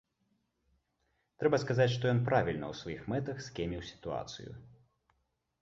Трэба сказаць, што ён правільна ў сваіх мэтах скеміў сітуацыю.